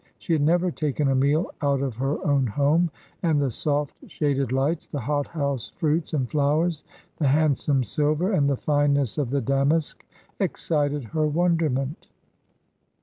She had never taken a meal out of her own home, and the soft, shaded lights, the hot house fruits and flowers, the handsome silver, and the fineness of the damask, excited her wonderment.